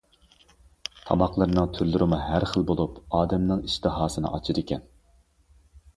تاماقلىرىنىڭ تۈرلىرىمۇ ھەر خىل بولۇپ، ئادەمنىڭ ئىشتىھاسىنى ئاچىدىكەن.